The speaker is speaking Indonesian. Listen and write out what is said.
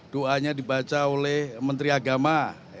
doanya dibaca oleh menteri agama